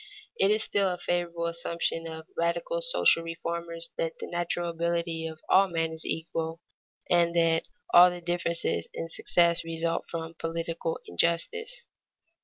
It is still a favorite assumption of radical social reformers that the natural ability of all men is equal, and that all the differences in success result from political injustice.